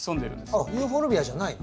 あっユーフォルビアじゃないの？